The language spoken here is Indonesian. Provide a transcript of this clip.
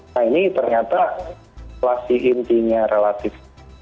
nah ini ternyata inflasi intinya relatif